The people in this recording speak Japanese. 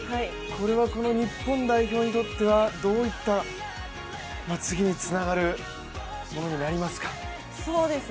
これは日本代表にとってはどういった次につながるものになりますか？